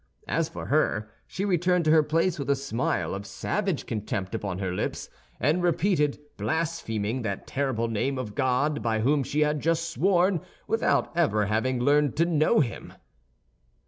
As for her, she returned to her place with a smile of savage contempt upon her lips, and repeated, blaspheming, that terrible name of God, by whom she had just sworn without ever having learned to know Him.